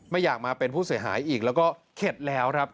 ไม่อยากมาเป็นผู้เสียหายอีกแล้วก็เข็ดแล้วครับ